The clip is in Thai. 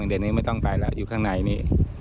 เดี๋ยวนี้ไม่ต้องไปแล้วอยู่ข้างในนี้